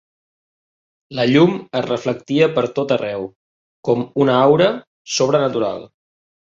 la llum es reflectia per tot arreu, com una aura sobrenatural.